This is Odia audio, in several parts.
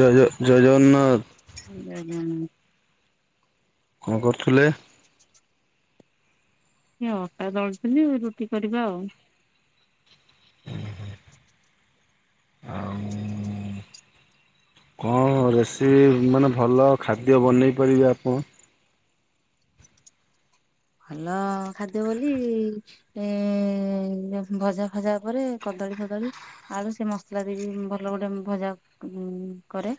ଜୟ ଜୟ ଜଗନ୍ନାଥ। [unintelligible] କଣ କରୁଥିଲେ? ଏଇ ଅଟା ଦଳୁଥିଲି ରୁଟି କରିବା ଆଉ। [unintelligible] ଆଉ। ହଁ ରେସିପି ମାନେ ଭଲ ଖାଦ୍ୟ ବନେଇ ପାରିବେ ଆପଣ? ଭଲ ଖାଦ୍ୟ ବୋଲି ଏ ଭଜା ଫଜା ପରେ କଦଳୀ ଫଦଳୀ ଆଳୁ ସେ ମସଲା ଦେଇକି ଭଲ ଗୋଟେ ଭଜା ଉ କରେ।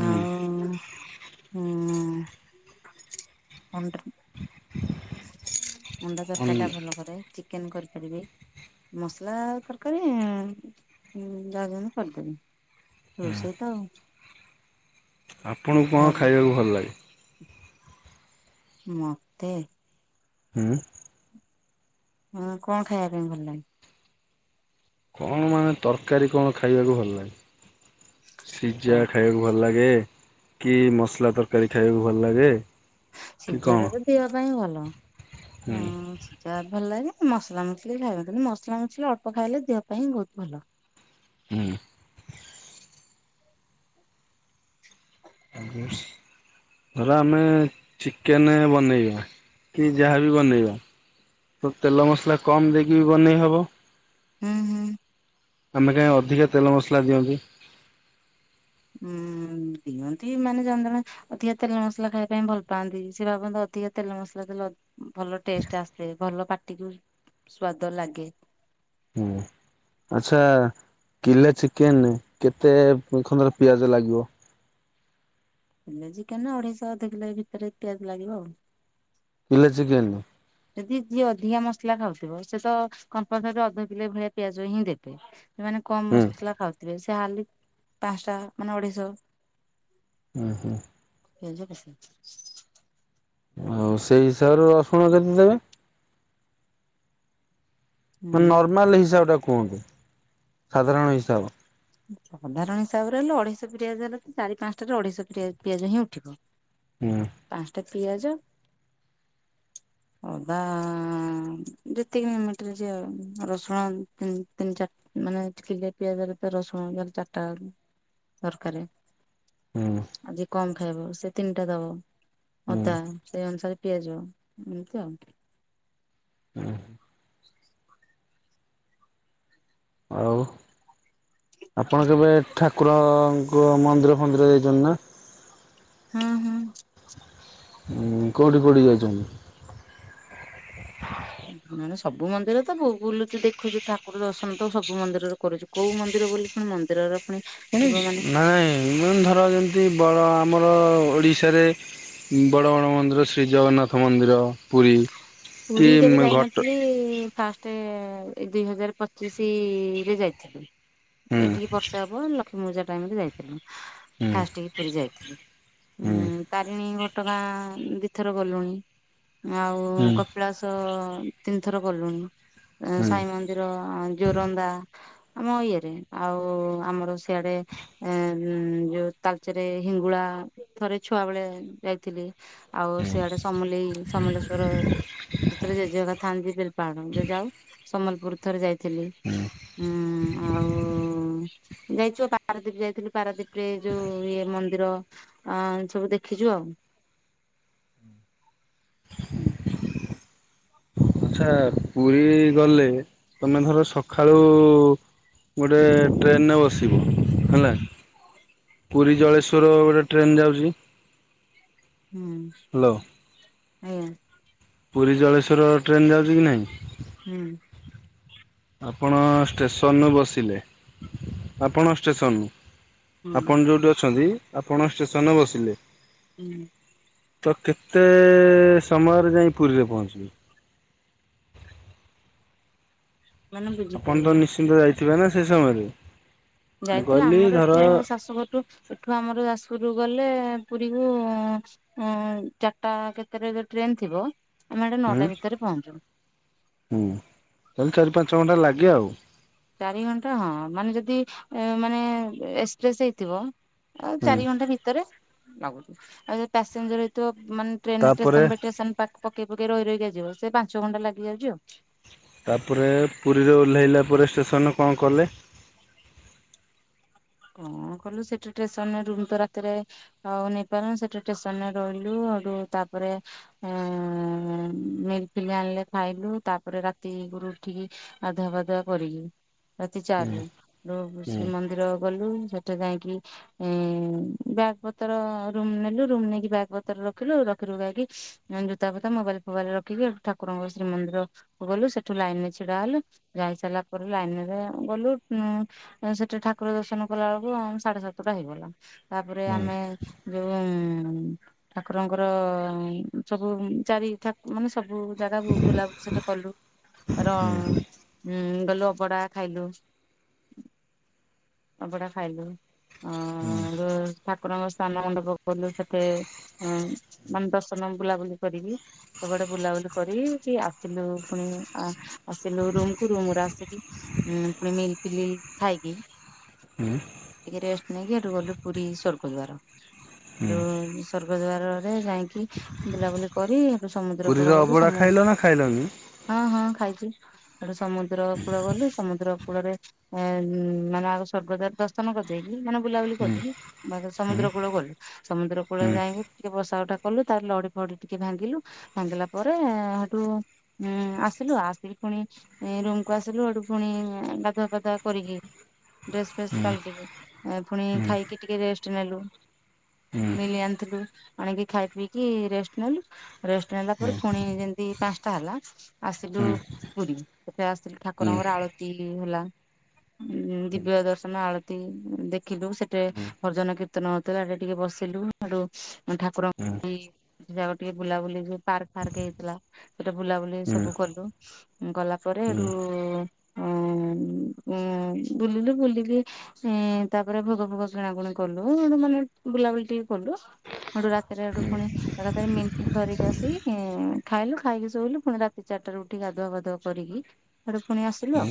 ହୁଁ ଆଉ ଉଁ [unintelligible] ଅଣ୍ଡା ଅନ୍ ତରକାରୀ ଟା ଭଲ କରେ ଚିକେନ କରିପାରିବି। ମସଲା ତରକାରୀ ଦାଦନ କରି ପାରିବିନି। ରୋଷେଇ ତ ଆଉ। ଆପଣଙ୍କୁ କଁ ଖାଇବାକୁ ଭଲ ଲାଗେ? ହ [unintelligible] ମତେ? ହୁଁ। ହୁଁ କଁ ଖାଇବା ପାଇଁ ଭଲ୍ ଲାଗେ? କଣ ମାନେ ତରକାରୀ କଣ ଖାଇବାକୁ ଭଲ ଲାଗେ। ସିଝା ତର ଖାଇବାକୁ ଭଲ ଲାଗେ କି ମସଲା ତରକାରୀ ଖାଇବାକୁ ଭଲ ଲାଗେ? କି ସିଝା କଣ? ଟା ତ ଦେହ ପାଇଁ ଭଲ ହୁଁ ହଁ। ସିଝା ଭଲ୍ ଲାଗେ ମସଲା ମସଲି [unintelligible] କିନ୍ତୁ ମସଲା ମସଲି ଅଳ୍ପ ଖାଇଲେ ଦେହ ପାଇଁ ବହୁତ୍ ଭଲ। ହୁଁ। [inaudible] ଧର ଆମେ ଚିକେନେ ବନେଇବା କି ଯାହାବି ବନେଇବା ତ ତେଲ ମସଲା କମ ଦେଇକି ବି ବନେଇ ହବ। ହୁଁ-ହୁଁ। ଆମେ କାଇଁ ଅଧିକା ତେଲ ମସଲା ଦିଅନ୍ତି? ହୁଁ ଦିଅନ୍ତି ମାନେ ଜଣେ-ଜଣେ ଅଧିକା ତେଲ ମସଲା ଖାଇବା ପାଇଁ ଭଲ୍ ପାଆନ୍ତି, ସିଏ ଭାବନ୍ତି ଅଧିକା ତେଲ ମସଲା ଦେଲେ ଅ ଭଲ ଟେଷ୍ଟ ଆସେ ଭଲ ପାଟିକୁ ସ୍ଵାଦ ଲାଗେ। ହୁଁ ଆଚ୍ଛା କିଲେ ଚିକେନ୍ କେତେ ଖଣ୍ଡ ପିଆଜ ଲାଗିବ? କିଲେ ଚିକେନ୍ ରେ ଅଢ଼େଇଶହ ଅଧ କିଲେ ଭିତରେ ପିଆଜ ଲାଗିବ ଆଉ। କିଲେ ଚିକେନ୍। ଯଦି ଯିଏ ଅଧିକା ମସଲା ଖାଉଥିବ, ସେ ତ କମ୍ପାଲସରି ଅଧ କିଲେ ଭଳିଆ ପିଆଜ ହିଁ ଦେବେ। [inaudible] କମ୍ ହୁଁ ମସଲା ଖାଉଥିବେ, ସେ ହାଡ଼ିଲି ପାଞ୍ଚଟା ମାନେ ଅଢେଇଶହ ଉଁ-ହୁଁ। [inaudible] ଆଉ ସେଇ ହିସାବରେ ରସୁଣ କେତେ ଦେବେ? ମାନେ ହୁଁ। ନର୍ମାଲ୍ ହିସାବଟା କୁହନ୍ତୁ, ସାଧାରଣ ହିସାବ୍। ସାଧାରଣ ହିସାବରେ ହେଲେ ଅଢେଇଶହ ପିଆଜ ହେଲେ ଚାରି ପାଞ୍ଚଟାରେ ଅଢେଇଶହ ପିଆଜ ହିଁ ଉଠିବ। ହ ହୁଁ। ପାଞ୍ଚଟା ପିଆଜ ହ ଅଦା ଯେତିକି ମିନ୍ଟି ରେ ସିଏ ରସୁଣ ତିନି-ତିନି ଚାରି ମାନେ କିଲେ ପିଆଜରେ ରସୁଣ ଚାରିଟା ଦରକାରେ, ହୁଁ ଆଉ ଯିଏ କମ୍ ଖାଇବ ସେ ତିନିଟା ଦବ ହୁଁ ଅଦା ସେଇ ଅନୁସାରେ ପିଆଜ ଏମିତି ଆଉ। ହୁଁ ଆଉ ଆପଣ କେବେ ଠାକୁରଙ୍କ ମନ୍ଦିର ଫନ୍ଦିର ଯାଇଛନ୍ତି ନା? ହଁ-ହଁ। ଉଁ କୋଉଠି-କୋଉଠି ଯାଇଚନ୍ତି? ମାନେ ସବୁ ମନ୍ଦିର ତ ବୁଲୁଚୁ ଦେଖୁଛୁ ଠାକୁର ଦର୍ଶନ ତ ସବୁ ମନ୍ଦିରରେ କରୁଛୁ। କୋଉ ମନ୍ଦିର ବୋଲି ପୁଣି ମନ୍ଦିରର ପୁଣି ଥିବ ମାନେ ନାଇଁ ମୁଁ [unintelligible] ଧର ଯେମ୍ତି ବଡ଼ ଆମର ଓଡିଶାରେ ବଡ-ବଡ ମନ୍ଦିର ଶ୍ରୀ ଜଗନ୍ନାଥ ମନ୍ଦିର ପୁରୀ। କି ପୁରୀ କେବେ ଘଟ ଯାଇନଥିଲି, ଫାଷ୍ଟ ଏ ଦୁଇ ହଜାର ପଚିଶି ରେ ଯାଇଥିଲି, ହୁଁ ଏଇଠିକି ବର୍ଷେ ହବ ଲ କ୍ଷ୍ମୀ ପୂଜା ଟାଇମ୍ ରେ ଯାଇଥିଲି, ହୁଁ ଫାଷ୍ଟ କି ପୁରୀ ଯାଇଥିଲି। ହୁଁ। ଉଁ ତାରିଣୀ ଘଟଗାଁ ଦି ଥର ଗଲୁଣି, ହୁଁ। ଆଉ କପିଳାସ ତିନିଥର ଗଲୁଣି, ହୁଁ। ସାଇ ମନ୍ଦିର ଜୋରନ୍ଦା ଆମ ଇଏରେ ଆଉ ଆମର ସିଆଡେ। ଏ ଯୋଉ ତାଲଚେରେ ହିଙ୍ଗୁଳା, ଥରେ ଛୁଆ ବେଳେ ଯାଇଥିଲି। ଆଉ ସେଆଡେ ସମଲେଇ ସମଲେଶ୍ଵର। ଯେତେବେଳେ ଜେଜେକା ଥାଆନ୍ତି ବିଲପାହାଡ ଯାଉ ସମ୍ବଲପୁର ଥରେ ଯାଇଥିଲି। ହୁଁ ଆଉ ଯାଇଛୁ ପାରାଦୀପ ଯାଇଥିଲୁ ପାରାଦୀପ ରେ ଯୋଉ ଇଏ ମନ୍ଦିର ଅଁ ସବୁ ଦେଖିଛୁ ଆଉ। ହୁଁ ଆଚ୍ଛା ପୁରୀ ଗଲେ ତମେ ଧର ସକାଳୁ ଗୋଟେ ଟ୍ରେନରେ ବସିବ ହୁଁ ହେଲା। ଆଜ୍ଞା ପୁରୀ ଜଳେଶ୍ୱର ଗୋଟେ ଟ୍ରେନ ଯାଉଛି। ହ୍ୟାଲୋ ହୁଁ ଆଜ୍ଞା। ପୁରୀ ଜଳେଶ୍ୱର ଟ୍ରେନ ଯାଉଛି କି ନାଇଁ? ହୁଁ। ଆପଣ ଷ୍ଟେସନରୁୁ ବସିଲେ, ଆପଣଙ୍କ ଷ୍ଟେସନ ରୁ। ହୁଁ ଆପଣ ଯେଉଁଠି ଅଛନ୍ତି ଆପଣ ଷ୍ଟେସନରେ ବସିଲେ। ହୁଁ ତ କେତେ ସମୟରେ ଯାଇ ପୁରୀରେ ପହଞ୍ଚିବେ? ମାନେ ଆପଣ ତ ବୁଝିପାରିଲିନି। ନିଶ୍ଚିନ୍ତ ଯାଇଥିବେ ନା ସେ ସମୟରେ? ମୁଁ ଯାଇଥିଲା କହିଲି ଆମର ଧର ଏଠୁ ଶାଶୁ ଘରଠୁ? ଏଠୁ ଆମର ଯାଜପୁରରୁୁ ଗଲେ ପୁରୀକୁ ଉ ଚାରିଟା କେତେରେ ହେଲେ ଟ୍ରେନ ଥିବ, ଆମେ ସେଇଟେ ହୁଁ ନଅଟା ଭିତରେ ପହଞ୍ଚିବୁ। ହୁଁ ତାହଲେ ଚାରି ପାଞ୍ଚ ଘଣ୍ଟା ଲାଗେ ଆଉ। ଚାରି ଘଣ୍ଟା ହଁ ମାନେ ଯଦି ମାନେ ଏସପ୍ରେସ ହେଇଥିବ ଅଁ ହୁଁ। ଚାରି ଘଣ୍ଟା ଭିତରେ ଲାଗୁଛି ଆଉ ଜଦି ପାସେଞ୍ଜର ହେଇଥିବ ମାନେ ଟ୍ରେନ ରେ ତାପରେ ଷ୍ଟେସନ ବାଇ ଷ୍ଟେସନ ପକେଇ ପକେଇ ରହି ରହିକା ଜିବ, ସେ ପାଞ୍ଚ ଘଣ୍ଟା ଲାଗିଯାଉଛି ଆଉ। ତାପରେ ପୁରୀରେ ଓହ୍ଲାଇଲା ପରେ ଷ୍ଟେସନରେ କଣ କଲେ? କଣ କଲୁ ସେଠି ଷ୍ଟେସନରେ ରୁମ୍ ତ ରାତିରେ ଆଉ ନେଇପାରନୁ ସେଠି ଷ୍ଟେସନରେ ରହିଲୁୁ ତାପରେ ହୁଁ ମିଲଫିଲ ଆଣିଲେ ଖାଇଲୁ ତାପରେ ରାତି କୁ ଉଠିକି ଗାଧୁଆ ପାଧୁଆ କରିଲୁ ରାତି ଚାର୍ ହୁଁ ରୁ। ର ହୁଁ ଶ୍ରୀମନ୍ଦିର ଗଲୁ ସେଠି ଯାଇକି ଏ ବ୍ୟାଗ୍ ପତ୍ର ରୁମ ନେଲୁ, ରୁମ ନେଇକି ବ୍ୟାଗ୍ ପତ୍ର ରଖିଲୁ, ରଖି ରୁଖାକି ଜୋତା ଫୋତା ମୋବାଇଲ ଫୋବାଇଲ ରଖିକି ହେଟୁ ଠାକୁରଙ୍କ ଶ୍ରୀମନ୍ଦିର ଗଲୁ ସେଠୁ ଲାଇନ ରେ ଛିଡା ହେଲୁ, ଯାଇ ସାରିଲା ପରେ ଲାଇନ ରେ ଗଲୁ ଉ ସେଠି ଠାକୁର ଦର୍ଶନ କଲା ବେଳକୁ ସାଢେ ସାତଟା ହେଇଗଲା, ତାପରେ ହୁଁ। ଆମେ ଜଉ ଠାକୁରଙ୍କର ସବୁ ଚାରି ଠାକୁ ମାନେ ସବୁ ଜାଗାକୁ ବୁଲାବୁଲି ସେଇଟା କଲୁ ତାର ଗଲୁ ଅବଡା ଖାଇଲୁ। ଅବଡା ଖାଇଲୁ ଠାକୁରଙ୍କ ସ୍ନାନ ମଣ୍ଡପ ଗଲୁ ସେଠେ ହଁ ମାନେ ଦର୍ଶନ ବୁଲାବୁଲି କରିକି ସବୁଆଡେ ବୁଲାବୁଲି କରିକି ଆସିଲୁ ପୁଣି ଆସିଲୁ ରୁମ କୁ ରୁମରେ ଆସିକି ଉଁ ପୁଣି ମିଲଫିଲି ଖାଇକି। ହୁଁ ଟିକେ ରେଷ୍ଟ ନେଇକି ହେଠୁ ଗଲୁ ପୁରୀ ସ୍ବର୍ଗ ଦ୍ଵାର। ହୁଁ ହେଟୁ ସର୍ଗ ଦ୍ଵାରରେ ଯାଇକି ବୁଲାବୁଲି କରି, ଏଠୁ ସମୁଦ୍ର ପୁରୀର କୂଳ ଗଲୁ, ଅବଡ଼ା ଖାଇଲ ନା ଖାଇଲନି? ସମୁଦ୍ରକୂଳ ଗଲୁ ହଁ ହଁ ଖାଇଛୁ। ସେଠୁ ସମୁଦ୍ର କୁଳ ଗଲୁ, ସମୁଦ୍ର କୂଳରେ ମାନେ ଆ ସ୍ୱର୍ଗଦ୍ଵାର ଦର୍ଶନ କରିଦେଇକି ମାନେ ବୁଲାବୁଲି ହୁଁ। କରିକି, ବା ହୁଁ ସମୁଦ୍ରକୂଳ କୁ ଗଲୁ। ସମୁଦ୍ର କୂଳରେ ହୁଁ ଯାଇକି ଟିକେ ବସା ଉଠା କଲୁ ତାପରେ ଲଢି ଫଡି ଟିକେ ଭାଙ୍ଗିଲୁ। ଭାଙ୍ଗିଲା ପରେ ହେଠୁ ହଁ ଆସିଲୁ ଆସିକି ପୁଣି ରୁମ୍ କୁୁ ଆସିଲୁ ହେଠୁ ଫୁଣି ଗାଧୁଆ ପାଧୁଆ କରିକି ଡ୍ରେସ୍ ଫେସ୍ ହୁଁ ପାଲଟିଲୁ ଫୁଣି ହୁଁ ଖାଇକି ଟିକେ ରେଷ୍ଟେ ନେଲୁ। ହୁଁ ମିଲି ଆଣିଥିଲୁ ଆଣିକି ଖାଇ ପିଇକି ରେଷ୍ଟେ ନେଲୁ। ରେଷ୍ଟେ ନେଲା ହୁଁ ହୁଁ ପରେ ଫୁଣି ଯେମତି ପାଞ୍ଚଟା ହେଲା ହୁଁ। ଆସିଲୁ ହୁଁ ପୁରୀ ସେଠି ଆସିଲୁ ହୁଁ ଠାକୁରଙ୍କର ଆଳତୀ ହେଲା। ଉଁ ଦିବ୍ୟ ଦର୍ଶନ ଆଳତୀ ଦେଖିଲୁ ସେଠେ ଭଜନ କୀର୍ତ୍ତନ ହୋଉଥିଲା ହେଠେ ଟିକେ ବସିଲୁ ହେଠୁ ହୁଁ ହୁଁ ହୁଁ ଠାକୁରଙ୍କ ପାଇଁ ସେ ଯାକ ଟିକେ ବୁଲାବୁଲି ପାର୍କ ଫାର୍କ ହେଇଥିଲା ସେଠି ବୁଲାବୁଲି ସବୁ କଲୁ। ଗଲା ପରେ ଏଠୁ ଉଁ ଉଁ ମ୍ ବୁଲିଲୁ ବୁଲିକି ଏ ତାପରେ ଭୋଗ ଫୋଗ କିଣାକଣି କଲୁ ମାନେ ବୁଲାବୁଲି ଟିକେ କଲୁ। ହେଠୁ ରାତିରେ ହେଠୁ ଫୁଣି ଏକା ଥରେ ମିଲି ଫିଲି ଧରିକି ଆସିକି ଖାଇଲୁ ଖାଇକି ଶୋଇଲୁ ପୁଣି ରାତି ଚାରିଟାରୁ ଉଠିକି ଗାଧୁଆ ପାଧୁଆ କରିକି ହେଠୁ ଫୁଣି ଆସିଲ?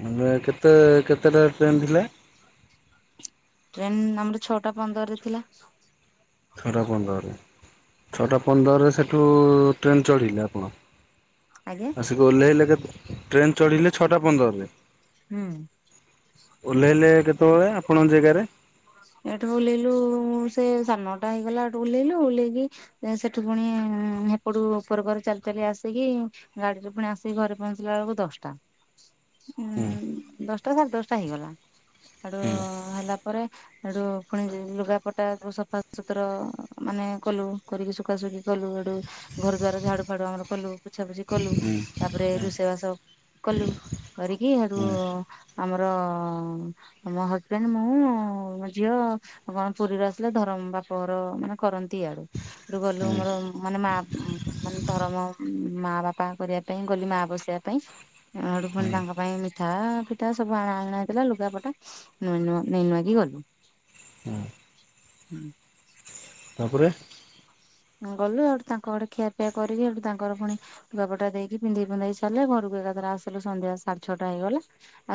ମାନେ କେତେ କେତେଟାରେ ଟ୍ରେନ୍ ଥିଲା? ଟ୍ରେନ ଆମର ଛଅଟା ପନ୍ଦରରେ ଥିଲା। ଛଅଟା ପନ୍ଦରରେ ଛଅଟା ପନ୍ଦରରେ ସେଠୁ ଟ୍ରେନ୍ ଚଢ଼ିଲେ ଆପଣ? ଆଜ୍ଞା। ଆସିକି ଓ ହେଇଲେ କେବେ ଟ୍ରେନ ଚଢ଼ିଲେ ଛଅଟା ପନ୍ଦରରେ। ହୁଁ। ଓହ୍ଲେଇଲେ କେତେବେଳେ ଆପଣଙ୍କ ଜାଗାରେ? ଏଠୁ ଓହ୍ଲେଇଲୁ ସେ ସାଢ଼େନଅ ଟା ହେଇଗଲା ଏଠୁ ଓହ୍ଲେଇଲୁ ଓଲେଇକି ସେଠୁ ଫୁଣି ହେପଟୁ ଉପର ଉପର ଚାଲି ଚାଲି ଆସିକି ଗାଡିରେ ଫୁଣି ଆସିକି ଘରେ ପହଞ୍ଚିଲା ବେଳକୁ ଦଶଟା। ହୁଁ ଉଁ ଦଶଟା ସାଢେ ଦଶଟା ହେଇଗଲା ହେଠୁ ହୁଁ ହେଲା ପରେ ହେଠୁ ଫୁଣି ଲୁଗାପଟା ସଫା ସୁତର ମାନେ କଲୁ କରିକି ସୁଖା ସୁଖି କଲୁ ହେଠୁ ଘର ଦୁଆର ଝାଡୁ ଫାଡୁ ଆମର କଲୁ ପୋଛାପୁଛି କଲୁ ହୁଁ ତାପରେ ହୁଁ ରୋଷେଇ ବାସ କଲୁ କରିକି ହେଠୁ ହୁଁ ଆମର ମୋ ହଜ୍‌ବେଣ୍ଡେ ମୁଁ ଝିଅ କଣ ପୁରୀରୁ ଆସିଲେ ଧରମ ବାପଘର ମାନେ କରନ୍ତି ଏଆଡୁ। ହେଠୁ ଗଲୁ ହୁଁ। ମୋର ମାନେ ମା ମାନେ ଧରମ ମା ବାପା କରିବା ପାଇଁ ଗଲି ମା ବସେଇବା ପାଇଁ। ହେଠୁ ହୁଁ ଫୁଣି ତାଙ୍କ ପାଇଁ ମିଠା ଫିଠା ସବୁ ଆଣା ଆଣା ହେଇଥିଲା ଲୁଗାପଟା ନୂଆ ନୂଆ ନେଇଁ ନୂଆକି ଗଲୁ। ହୁଁ ତାପରେ? ଗଲୁ ହେଠୁ ତାଙ୍କ ଘରେ ଖିଆପିଆ କରିକି ହେଠୁ ତାଙ୍କର ଫୁଣି ଲୁଗା ପଟା ଦେଇକି ପିନ୍ଧେଇ ପୁନ୍ଧେଇ ସାରିଲେ ଘରକୁ ଏକାଥର ଆସିଲୁ ସନ୍ଧ୍ୟା ସାଢେ ଛଅଟା ହେଇଗଲା।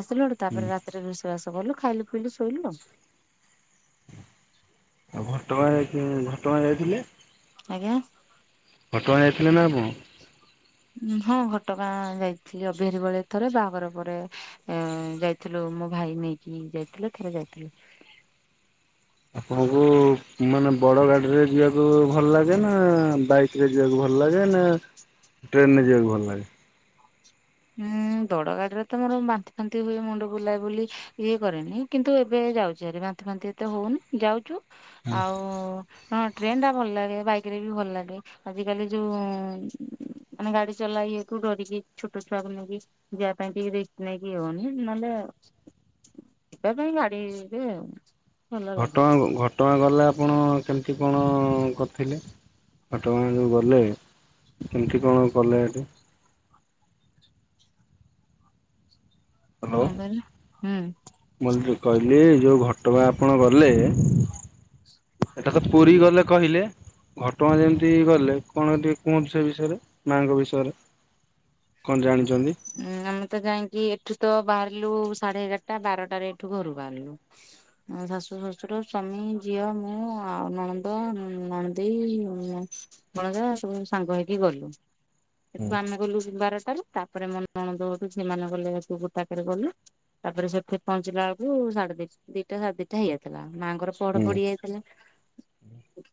ଆସିଲୁ ହେଠୁ ହୁଁ ତାପରେ ରାତିରେ ରୁଷେଇ ବାସ କଲୁ ଖାଇଲୁ ପିଇଲୁ ଶୋଇଲୁ ଆଉ। ଆଉ ଘଟଗାଁ ଯାଇକି ଘଟ ହଁ ଯାଇଥିଲି। ଆଜ୍ଞା। ଘଟଗାଁ ଯାଇଥିଲେ ନା ଆପଣ? ଉଁ ହଁ ଘଟଗାଁ ଯାଇଥିଲି ଅବିହାରି ବେଳେ ଥରେ ବାହାଘର ପରେ ଏ ଯାଇଥିଲୁ ମୋ ଭାଇ ନେଇକି ଯାଇଥିଲୁ ଥରେ ଯାଇଥିଲୁ। ମଙ୍ଗୁ ମାନେ ବଡ଼ ଗାଡି ରେ ଯିବାକୁ ଭଲ ଲାଗେ ନା ବାଇକ୍ ରେ ଯିବାକୁ ଭଲ ଲାଗେ ନା ଟ୍ରେନ୍‌ ରେ ଯିବାକୁ ଭଲ ଲାଗେ? ହୁଁ ଦଡ ଗାଡିରେ ତ ମୋର ବାନ୍ତି ଫାନ୍ତି ହୁଏ ମୁଣ୍ଡ ବୁଲା ବୁଲି ଇଏ କରେନି କିନ୍ତୁ ଏବେ ଯାଉଚିହାରି ବାନ୍ତି ଫାନ୍ତି ଏତ ହୋଉନି ଯାଉଛୁ ଆଉ ହଁ ଟ୍ରେନ୍‌ ଟା ଭଲ ଲାଗେ ବାଇକ୍ ରେ ବି ଭଲ ଲାଗେ ଆଜ କାଲି ଯୋଉ ମାନେ ଗାଡି ଚଲା ଇଏ କୁ ଡରିକି ଛୁ ଛୋଟ ଛୁଆକୁ ନେଇକି ଯିବା ପାଇଁ କି ରିକ୍ସ ନେଇକି ଇଏ ହୋଉନି ନହେଲେ [unintelligible] ପାଇଁ ଗାଡିରେ ଭଲ ଲାଗେ। ଘଟଗାଁ ଘଟଗାଁ ଗଲେ ଆପଣ କେମିତି କଣ କରିଥିଲେ? ଘଟଗାଁ ଯୋଉ ଗଲେ କେମିତି କଣ କଲେ ହେଟି? ହ୍ୟାଲୋ କଣ କହିଲେ ହୁଁ। [unintelligible] କହିଲି ଯୋଉ ଘଟଗାଁ ଆପଣ ଗଲେ। ଏଟା ତ ପୁରି ହୁଁ। ଗଲେ କହିଲେ। ଘଟଗାଁ ଯେମିତି ଗଲେ କଣ ଟିକେ କୁହନ୍ତୁ ସେ ବିଷୟରେ ମାଙ୍କ ବିଷୟରେ କଣ ଜାଣିଚନ୍ତି? ଉଁ ଆମେ ତ ଯାଇଁକି ଏଠୁ ତ ବାହାରିଲୁ ସାଢେ ଏଗାରଟା ବାରଟାରେ ଏଠୁ ଘରୁ ବାହାରିଲୁ। ଶାଶୁ, ଶ୍ୱଶୁର, ସ୍ବାମୀ, ଝିଅ ମୁଁ ଆଉ ନଣନ୍ଦ, ନଣନ୍ଦେଇ ମୁଁ। ଭଣଜା ସବୁ ସାଙ୍ଗ ହେଇକି ଗଲୁ। ହୁଁ। ସେଠୁ ଆମେ ଗଲୁ ବାରଟାରୁ। ତାପରେ ମୋ ନଣନ୍ଦ [unintelligible] ସେମାନେ ଗଲେ ତୁ ଗୋଟାକରେ ଗଲେ। ତାପରେ ସେଠି ପହଞ୍ଚିଲା ବେଳକୁ ସାଢେ ଦିଇ ଦିଇଟା ସାଢେ ଦିଇଟା ହେଇଯାଇଥିଲା ମାଆଙ୍କର ପହଢ ହୁଁ ପଡି ଯାଇଥିଲା।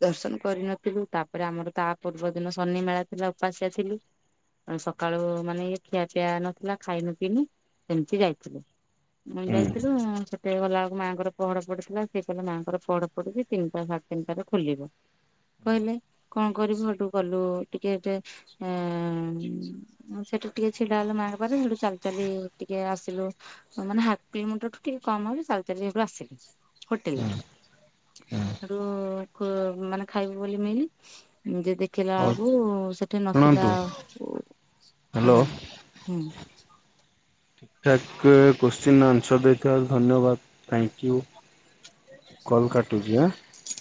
ଦର୍ଶନ କରିନଥିଲୁ ତାପରେ ଆମର ତା ପୂର୍ବ ଦିନ ଶନି ମେଳା ଥିଲା ଓପାସିଆ ଥିଲି। ସକାଳୁ ମାନେ ଇଏ ଖିଆ ପିଆ ନଥିଲା ଖାଇନୁ ପିଇନି ସେମିତି ଯାଇଥିଲୁ। ସେମିତି ହୁଁ ଯାଇଥିଲୁ ଉଁ ସେଠିକି ଗଲା ଆକୁ ମାଆଙ୍କର ପହଡ ପଡିଥିଲା। ସିଏ କହିଲେ ମାଙ୍କର ପହଡ ପଡିଚି ତିନିଟା ସାଢେ ତିନିଟାରେ ଖୋଲିବ କହିଲେ କଣ କରିବୁ ହେଠୁ କଲୁ ଟିକେ ଯେ ଏଁ ଏ ସେଟୁ [unintelligible] ଟିକେ ଛିଡା ହେଲୁ ମାଆଙ୍କ ପାଖରେ ହେଟୁ ଚାଲି ଚାଲି ଟିକେ ଆସିଲୁ। ମାନେ ହାଫ୍ କିଲୋମିଟରଠୁ ଟିକେ କମ୍ ହବ ଚାଲି ଚାଲି ହେଟୁ ଆସିଲି ହୋଟେଲ ରୁ ହେଟୁ ଖୋ ମାନେ ଖାଇବୁ ବୋଲି ମିିଲ୍ ଯେ ଦେଖିଲା ହଉ ବେଳକୁ ସେଠି ନଥିଲା ଶୁଣନ୍ତୁ ଆଉ [unintelligible] ହ୍ୟାଲୋ ଆଜ୍ଞା ହୁଁ। [unintelligible] ଏତେ କୋଶ୍ଚିିନ ଆନ୍ସର୍ ଦେଇଥିବାରୁ ଧନ୍ୟବାଦ ଥ୍ୟାଙ୍କୟୁ। କଲ୍ କାଟୁଚି ଆଁ?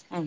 ଆ